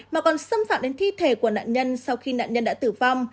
mà còn xâm phạm đến thi thể của nạn nhân sau khi nạn nhân đã tử vong